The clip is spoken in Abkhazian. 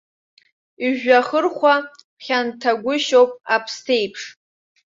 Ижәҩахырқәа хьанҭагәышьоуп аԥсҭеиԥш.